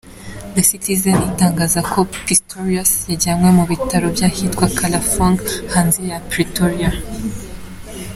The Citizen itangaza ko Pistorius yajyanywe mu bitaro by’ahitwa Kalafong hanze ya Pretoria.